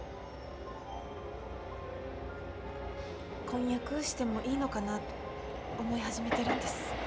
婚約してもいいのかなと思い始めてるんです。